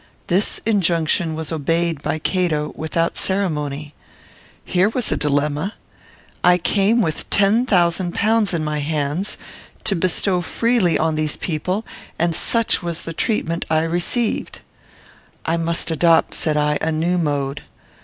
This injunction was obeyed by Cato without ceremony. Here was a dilemma! I came with ten thousand pounds in my hands, to bestow freely on these people, and such was the treatment I received. "I must adopt," said I, "a new mode."